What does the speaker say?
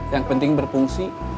yang penting berfungsi